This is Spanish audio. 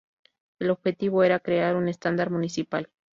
El objetivo era crear un estándar mundial.